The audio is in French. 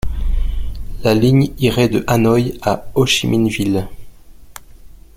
La ligne irait de Hanoï à Hô-Chi-Minh-Ville.